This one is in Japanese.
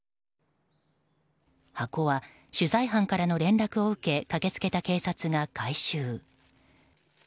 箱は、取材班からの連絡を受け駆けつけた警察が回収。